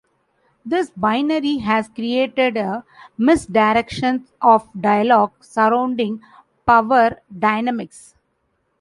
This binary has created a misdirection of dialogue surrounding power dynamics.